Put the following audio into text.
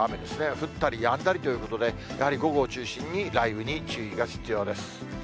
降ったりやんだりということで、やはり午後を中心に、雷雨に注意が必要です。